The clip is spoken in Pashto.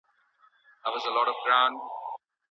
د ښوونکي شخصیت د زده کوونکو لپاره الګو ده.